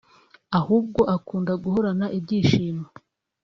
ahubwo akunda guhorana ibyishimo